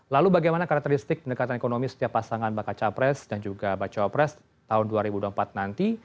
lalu bagaimana karakteristik pendekatan ekonomi setiap pasangan bakal capres dan juga bacawa pres tahun dua ribu dua puluh empat nanti